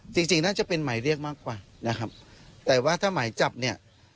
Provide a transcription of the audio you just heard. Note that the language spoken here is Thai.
จริงจริงน่าจะเป็นหมายเรียกมากกว่านะครับแต่ว่าถ้าหมายจับเนี่ย